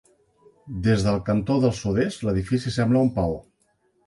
Des del cantó del sud-est, l'edifici sembla un paó.